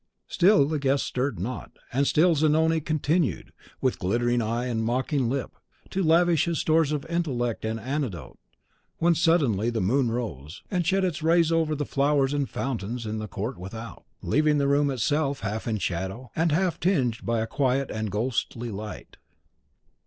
Still the guests stirred not, and still Zanoni continued, with glittering eye and mocking lip, to lavish his stores of intellect and anecdote; when suddenly the moon rose, and shed its rays over the flowers and fountains in the court without, leaving the room itself half in shadow, and half tinged by a quiet and ghostly light.